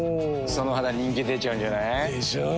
その肌人気出ちゃうんじゃない？でしょう。